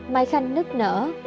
mai khanh nức nở